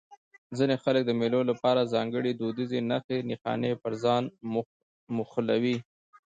ځيني خلک د مېلو له پاره ځانګړي دودیزې نخښي نښانې پر ځان موښلوي.